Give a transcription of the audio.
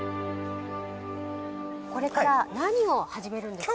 これから何を始めるんですか？